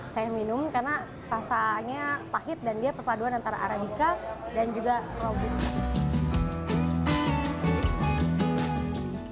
saya minum karena rasanya pahit dan dia perpaduan antara arabica dan juga robusta